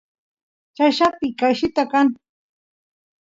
chayllapi qayllita kan